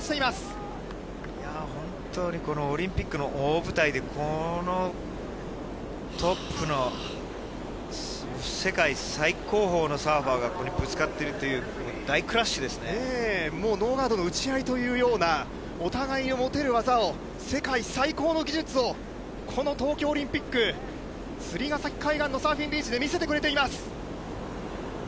本当にこのオリンピックの大舞台で、このトップの、世界最高峰のサーファーがぶつかっているという、大クラッシュでもうノーガードの打ち合いというような、お互いの持てる技を世界最高の技術を、この東京オリンピック、釣ヶ崎海岸のサーフィンビーチで見せてくれています。